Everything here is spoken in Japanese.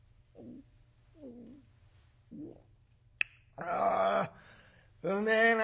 「あうめえな。